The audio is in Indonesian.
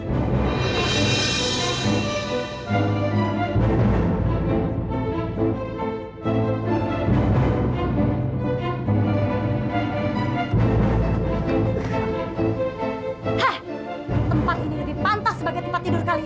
hah tempat ini lebih pantas sebagai tempat tidur kali